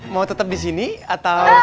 mau tetep disini atau